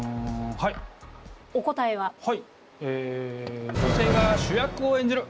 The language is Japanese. はいええ「女性が主役を演じる」。